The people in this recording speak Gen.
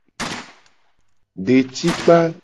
Detikpa.